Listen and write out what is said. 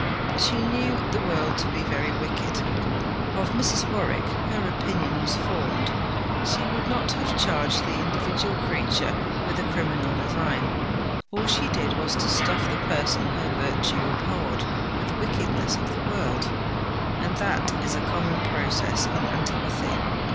But she knew the world to be very wicked. Of Mrs. Warwick, her opinion was formed. She would not have charged the individual creature with a criminal design; all she did was to stuff the person her virtue abhorred with the wickedness of the world, and that is a common process in antipathy.